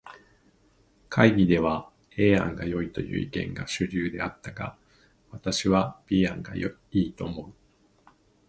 会議では A 案がよいという意見が主流であったが、私は B 案が良いと思う。